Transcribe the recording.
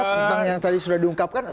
tentang yang tadi sudah diungkapkan